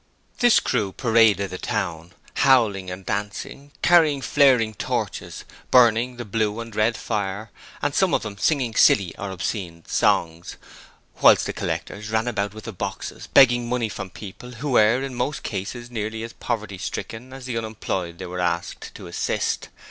This crew paraded the town, howling and dancing, carrying flaring torches, burning the blue and red fire, and some of them singing silly or obscene songs; whilst the collectors ran about with the boxes begging for money from people who were in most cases nearly as poverty stricken as the unemployed they were asked to assist.